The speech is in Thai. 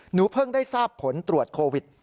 หนูเพิ่งได้ทราบผลตรวจโควิด